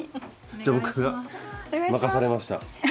じゃあ僕が任されました。